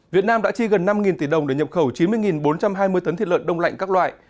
việt nam đã chi gần năm tỷ đồng để nhập khẩu chín mươi bốn trăm hai mươi tấn thịt lợn đông lạnh các loại